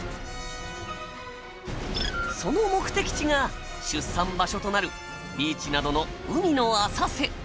その目的地が出産場所となるビーチなどの海の浅瀬。